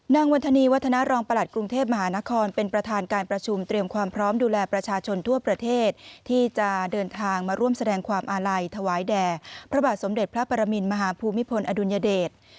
วันธนีวัฒนารองประหลัดกรุงเทพมหานครเป็นประธานการประชุมเตรียมความพร้อมดูแลประชาชนทั่วประเทศที่จะเดินทางมาร่วมแสดงความอาลัยถวายแด่พระบาทสมเด็จพระปรมินมหาภูมิพลอดุลยเดช